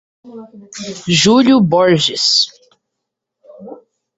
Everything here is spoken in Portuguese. Júlio Borges